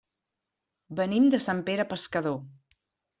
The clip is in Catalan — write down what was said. Venim de Sant Pere Pescador.